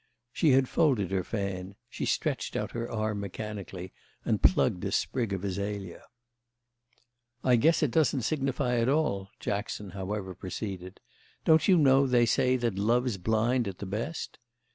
She had folded her fan; she stretched out her arm mechanically and plucked a sprig of azalea. "I guess it doesn't signify after all," Jackson however proceeded. "Don't you know they say that love's blind at the best?"